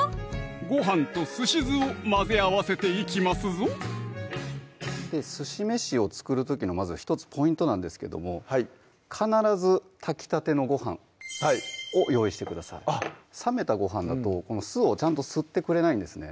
ご飯とすし酢を混ぜ合わせていきますぞすし飯を作る時のまずは１つポイントなんですけども必ず炊きたてのご飯を用意してください冷めたご飯だとこの酢をちゃんと吸ってくれないんですね